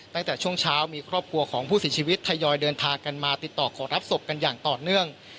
ตั้งแต่ช่วงเช้ามีครอบครัวของผู้เสียชีวิตทยอยเดินทางกันมาติดต่อขอรับศพกันอย่างต่อเนื่อง